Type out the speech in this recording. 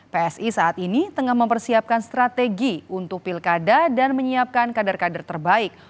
psi saat ini tengah mempersiapkan strategi untuk pilkada dan menyiapkan kader kader terbaik